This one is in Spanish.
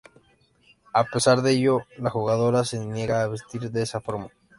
A pesar de ello la jugadora se niega a vestir de esa forma.